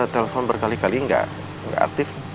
telepon berkali kali nggak aktif